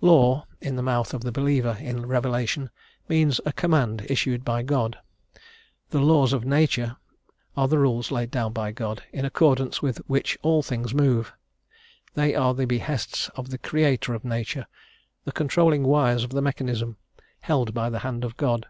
"Law," in the mouth of the believer in revelation, means a command issued by God; the "laws of Nature" are the rules laid down by God, in accordance with which all things move; they are the behests of the Creator of Nature, the controlling wires of the mechanism, held by the hand of God.